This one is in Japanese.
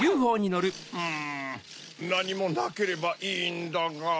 うんなにもなければいいんだが。